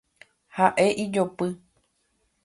Ha’e ijopy.